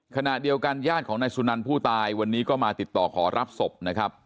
ขณะเดียวกันญาติของนายสุนันผู้ตายวันนี้ก็มาติดต่อขอรับศพนะครับ